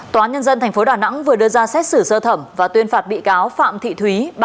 tòa nhân dân tp đà nẵng vừa đưa ra xét xử sơ thẩm và tuyên phạt bị cáo phạm thị thúy